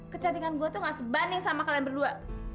kecantingan gue tuh gak sebanding sama kalian berdua